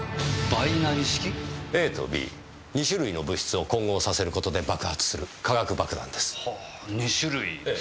ＡとＢ２種類の物質を混合させる事で爆発する化学爆弾です。